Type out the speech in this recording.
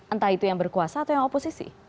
entah itu yang berkuasa atau yang oposisi